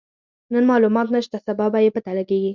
نن مالومات نشته، سبا به يې پته لګيږي.